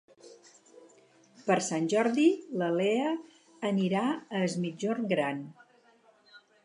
Per Sant Jordi na Lea anirà a Es Migjorn Gran.